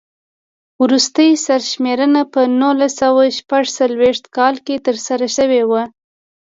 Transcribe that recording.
وروستۍ سر شمېرنه په نولس سوه شپږ څلوېښت کال کې ترسره شوې وه.